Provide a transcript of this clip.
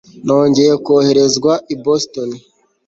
nongeye koherezwa i boston